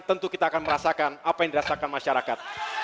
tentu kita akan merasakan apa yang dirasakan masyarakat